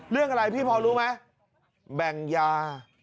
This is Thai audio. เรื่องอะไรพี่พอรู้ไหมแบ่งยา